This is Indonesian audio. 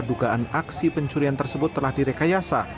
dugaan aksi pencurian tersebut telah direkayasa